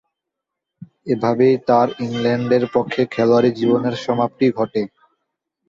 এভাবেই তার ইংল্যান্ডের পক্ষে খেলোয়াড়ী জীবনের সমাপ্তি ঘটে।